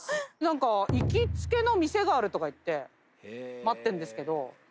「行きつけの店があるとか言って待ってるんですけど」